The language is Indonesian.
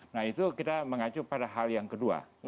nah itu kita mengacu pada hal yang kedua